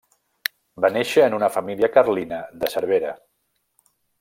Va néixer en una família carlina de Cervera.